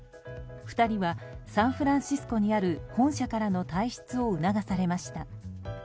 ２人はサンフランシスコにある本社からの退出を促されました。